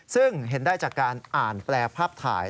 ซึ่งเห็นได้จากการอ่านแปลภาพถ่าย